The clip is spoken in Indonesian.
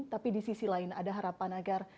tapi di sisi lain ada harapan agar